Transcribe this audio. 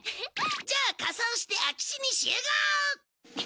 じゃあ仮装して空き地に集合！